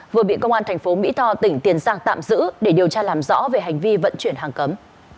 vừa bị công an thành phố mỹ tho tỉnh tiền giang tạm giữ để điều tra làm rõ về hành vi vận chuyển hàng cấm